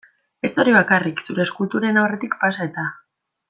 Ez hori bakarrik, zure eskulturen aurretik pasa, eta.